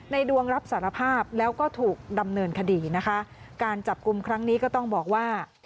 ดวงรับสารภาพแล้วก็ถูกดำเนินคดีนะคะการจับกลุ่มครั้งนี้ก็ต้องบอกว่า